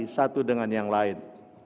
satu dengan yang lain